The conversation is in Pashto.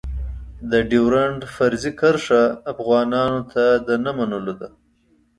د ډېورنډ فرضي کرښه افغانانو ته د نه منلو ده.